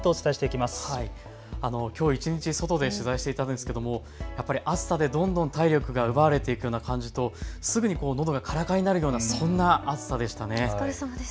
きょう一日、外で取材していたですけれどもやっぱり暑さでどんどん体力が奪われていくような感じとすぐにのどがからからになるような、そんな暑さでしたね。